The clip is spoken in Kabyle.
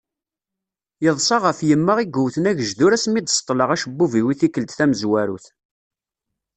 Yeḍsa ɣef yemma i yewwten agejdur asmi d-ṣeṭleɣ acebbub-iw i tikkelt tamezwarut.